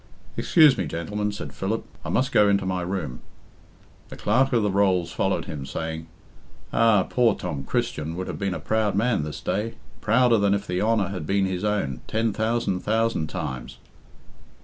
"Excuse me, gentlemen," said Philip, "I must go into my room." The Clerk of the Rolls followed him, saying "Ah! poor Tom Christian would have been a proud man this day prouder than if the honour had been his own ten thousand thousand times."